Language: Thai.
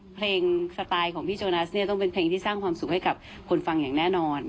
สไตล์ของพี่โจนัสเนี่ยต้องเป็นเพลงที่สร้างความสุขให้กับคนฟังอย่างแน่นอน